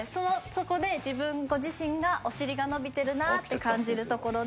そこで自分ご自身がお尻が伸びてるなって感じるところでオーケーです。